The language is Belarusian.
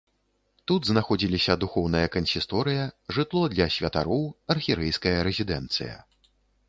Тут знаходзіліся духоўная кансісторыя, жытло для святароў, архірэйская рэзідэнцыя.